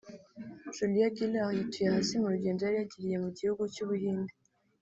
Julia Gillard yituye hasi mu rugendo yari yagiriye mu gihugu cy’u Buhinde